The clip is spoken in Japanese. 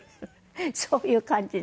そういう感じで。